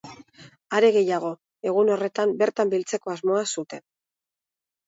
Are gehiago, egun horretan bertan biltzeko asmoa zuten.